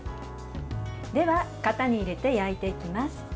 では、型に入れて焼いていきます。